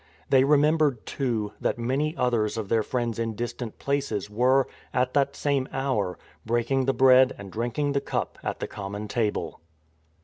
They remembered too, that many others of their friends in distant places were, at that same hour, breaking the bread and drinking the cup at the com mon table.